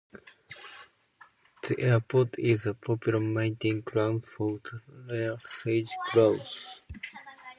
The airport is a popular mating ground for the rare Sage Grouse.